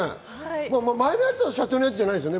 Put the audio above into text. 前のやつは社長のやつじゃないですよね？